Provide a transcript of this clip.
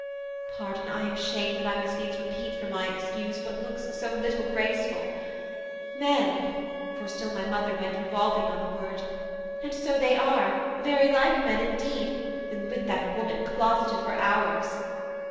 Pardon, I am shamed That I must needs repeat for my excuse What looks so little graceful: "men" (for still My mother went revolving on the word) "And so they are, very like men indeed And with that woman closeted for hours!"